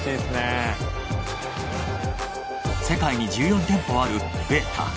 世界に１４店舗あるベータ。